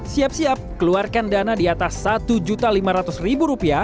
siap siap keluarkan dana di atas rp satu lima ratus